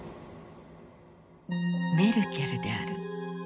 メルケルである。